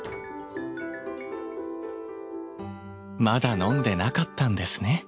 まだ飲んでなかったんですね